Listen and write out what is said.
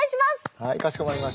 はいかしこまりました。